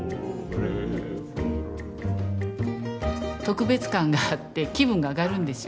特別感があって気分が上がるんですよ。